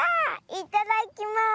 いただきます！